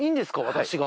私が。